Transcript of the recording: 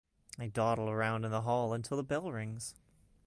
I dawdle around in the hall until the bell rings.